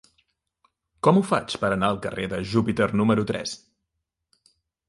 Com ho faig per anar al carrer de Júpiter número tres?